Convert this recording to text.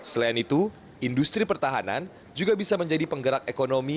selain itu industri pertahanan juga bisa menjadi penggerak ekonomi